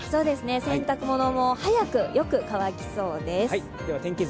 洗濯物も早く、よく乾きそうです